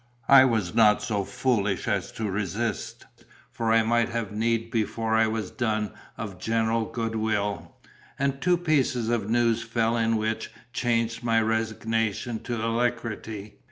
I was not so foolish as to resist, for I might have need before I was done of general good will; and two pieces of news fell in which changed my resignation to alacrity.